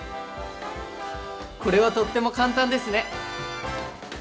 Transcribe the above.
これはとっても簡単ですね！